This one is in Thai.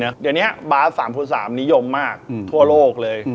เดี๋ยวนี้บาส๓๓นิยมมากทั่วโลกเลย